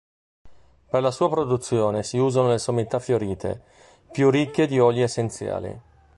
Per la sua produzione si usano le sommità fiorite, più ricche di oli essenziali.